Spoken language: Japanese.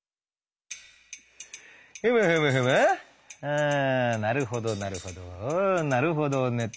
ふむふむふむうんうんなるほどなるほどなるほどね。